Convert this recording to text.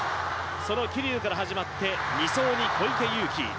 その桐生から始まって、２走に小池祐貴。